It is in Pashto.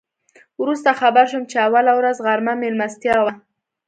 وروسته خبر شوم چې اوله ورځ غرمه میلمستیا وه.